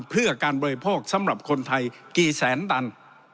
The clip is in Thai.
เพื่อการบริโภคสำหรับคนไทยกี่แสนตัน